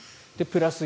プラス